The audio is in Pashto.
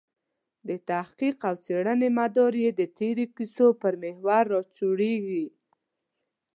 د تحقیق او څېړنې مدار یې د تېرو کیسو پر محور راچورلېږي.